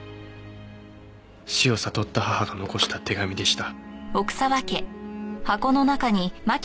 死を悟った母が残した手紙でした。